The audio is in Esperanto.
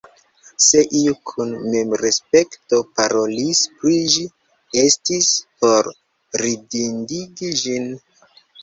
Se iu kun memrespekto parolis pri ĝi, estis por ridindigi ĝin.